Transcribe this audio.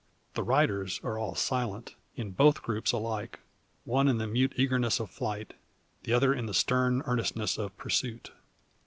The riders are all silent, in both troops alike one in the mute eagerness of flight, the other with the stern earnestness of pursuit.